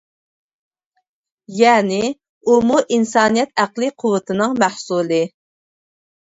يەنى ئۇمۇ ئىنسانىيەت ئەقلىي قۇۋۋىتىنىڭ مەھسۇلى.